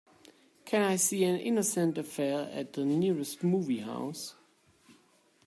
Can I see An Innocent Affair at the nearest movie house.